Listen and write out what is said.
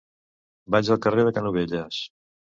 Vaig al carrer de Canovelles.